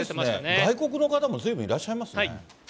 外国の方もずいぶんいらっしゃいますね。